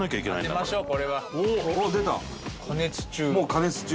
「加熱中」